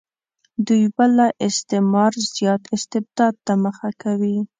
دوی به له استعمار زیات استبداد ته مخه کوي.